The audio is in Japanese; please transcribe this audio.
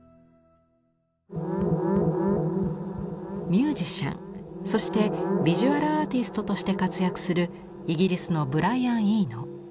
ミュージシャンそしてヴィジュアル・アーティストとして活躍するイギリスのブライアン・イーノ。